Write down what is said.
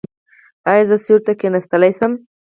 ایا زه سیوري ته کیناستلی شم؟